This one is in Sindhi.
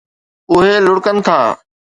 اُهي لڙڪن ٿا